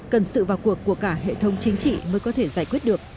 cần sự vào cuộc của thậ hội hệ thống chính trị mới có thể giải quyết được